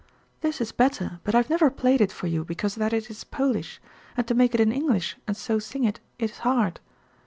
"This is better, but I have never played it for you because that it is Polish, and to make it in English and so sing it is hard.